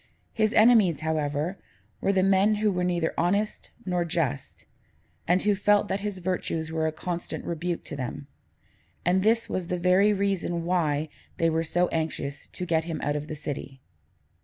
His enemies, however, were the men who were neither honest nor just, and who felt that his virtues were a constant rebuke to them; and this was the very reason why they were so anxious to get him out of the city.